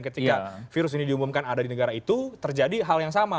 ketika virus ini diumumkan ada di negara itu terjadi hal yang sama